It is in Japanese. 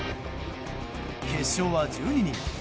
決勝は１２人。